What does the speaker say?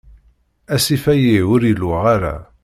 Asif-ayi ur iluɣ ara.